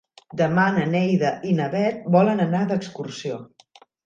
Demà na Neida i na Bet volen anar d'excursió.